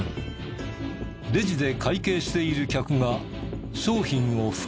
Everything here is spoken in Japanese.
レジで会計している客が商品を袋に入れている。